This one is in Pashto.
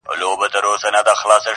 o خر په سبا څه خبر٫